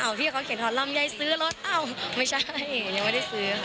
ที่เขาเขียนถอนลำไยซื้อรถอ้าวไม่ใช่ยังไม่ได้ซื้อค่ะ